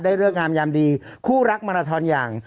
เลิกงามยามดีคู่รักมาราทอนอย่าง